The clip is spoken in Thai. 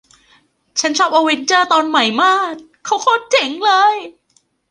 ฉันชอบอเวนเจอร์ตอนใหม่มาด เขาโคตรเจ๋งเลย